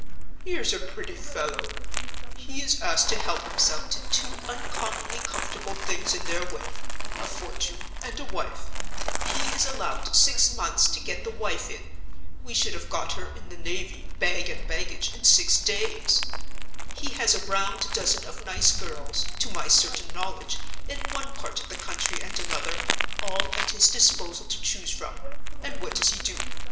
"Here's a pretty fellow? He is asked to help himself to two uncommonly comfortable things in their way—a fortune and a wife; he is allowed six months to get the wife in (we should have got her, in the Navy, bag and baggage, in six days); he has a round dozen of nice girls, to my certain knowledge, in one part of the country and another, all at his disposal to choose from, and what does he do?